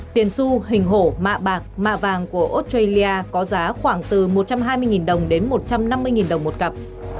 tiền su hình hổ mạ bạc mạ vàng của australia có giá khoảng từ một trăm hai mươi đồng đến một trăm năm mươi đồng một cặp